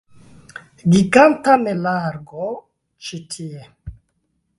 Giganta meleagro ĉi tie!